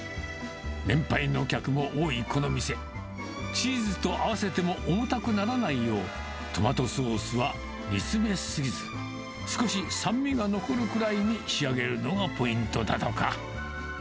年配の客も多いこの店、チーズと合わせても重たくならないよう、トマトソースは煮詰め過ぎず、少し酸味が残るぐらいに仕上げるのがポイントだとか。